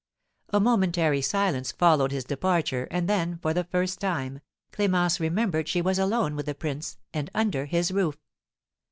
A momentary silence followed his departure, and then, for the first time, Clémence remembered she was alone with the prince, and under his roof.